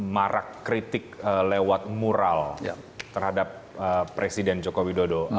marak kritik lewat mural terhadap presiden joko widodo